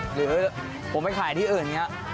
หรือผมไปขายที่อื่นอย่างนี้